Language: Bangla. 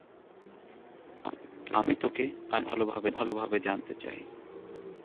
আমি তোকে আর একটু ভালোভাবে জানতে চাই।